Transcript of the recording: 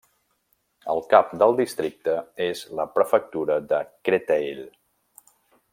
El cap del districte és la prefectura de Créteil.